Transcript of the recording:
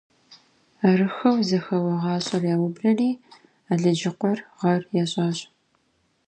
Арыххэу зэхэуэ гуащӏэр яублэри, Алыджыкъуэр гъэр ящӏащ.